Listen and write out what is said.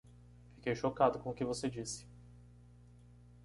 Fiquei chocado com o que você disse